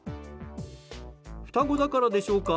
双子だからでしょうか。